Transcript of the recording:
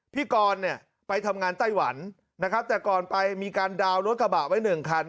พี่กรไปทำงานไต้หวันนะครับแต่ก่อนไปมีการดาวรถกระบะไว้๑คัน